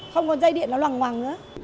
không còn dây điện nó loằng ngoằng nữa